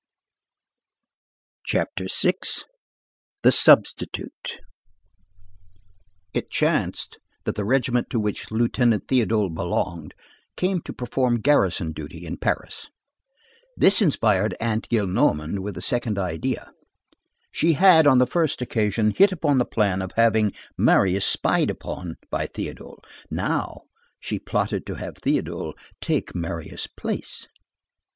CHAPTER VI—THE SUBSTITUTE It chanced that the regiment to which Lieutenant Théodule belonged came to perform garrison duty in Paris. This inspired Aunt Gillenormand with a second idea. She had, on the first occasion, hit upon the plan of having Marius spied upon by Théodule; now she plotted to have Théodule take Marius' place.